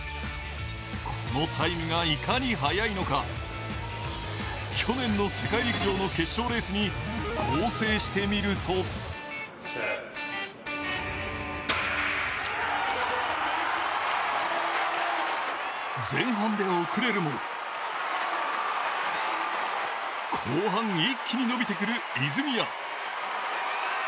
このタイムがいかに速いのか、去年の世界陸上の決勝レースに合成してみると前半で遅れるも後半、一気に伸びてくる泉谷。